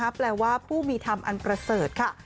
แปลว่าผู้มีธรรมอันประเสริฐค่ะ